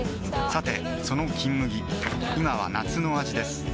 さてその「金麦」今は夏の味です